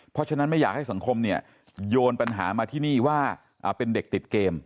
เพราะฉะนั้นไม่อยากให้สังคมเนี่ยโยนปัญหามาที่นี่ว่าเป็นเด็กติดเกม